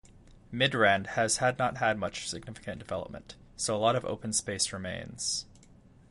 Midrand has not had much significant development, so a lot of open space remains.